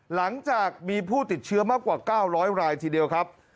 หลังจากมีผู้ติดเชื้อมากกว่า๙๐๐รายทีเดียวครับ